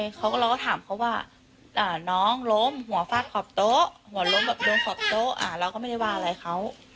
เขาก็เราก็ถามเขาว่าน้องล้มหัวฟาดขอบโต๊ะหัวล้มแบบโดนขอบโต๊ะเราก็ไม่ได้ว่าอะไรเขา